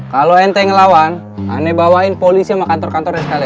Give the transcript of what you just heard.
kalau enteng lawan aneh bawain polisi sama kantor kantornya sekali